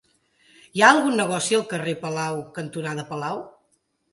Hi ha algun negoci al carrer Palau cantonada Palau?